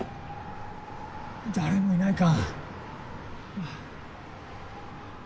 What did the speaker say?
誰もいないか。